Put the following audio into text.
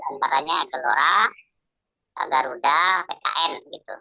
antaranya ekelora garuda pkn